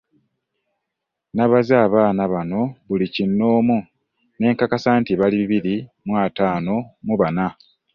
Nabaze abaana bano kinnomu nenkakasa nti bali bibiri mu ataano mu bana.